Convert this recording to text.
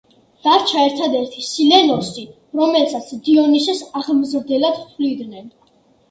დარჩა ერთადერთი სილენოსი, რომელსაც დიონისეს აღმზრდელად თვლიდნენ.